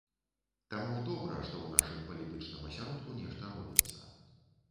Таму добра, што ў нашым палітычным асяродку нешта робіцца.